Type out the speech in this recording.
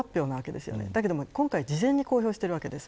ですけど今回事前に公表してるわけです。